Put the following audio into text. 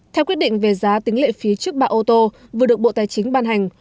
theo quyết định về giá tính lệ phí trước bạ ô tô vừa được bộ tài chính ban hành